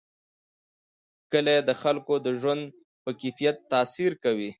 کلي د خلکو د ژوند په کیفیت تاثیر کوي.